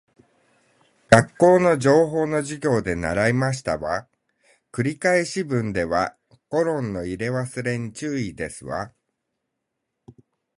学校の情報の授業で習いましたわ。繰り返し文ではコロンの入れ忘れに注意ですわ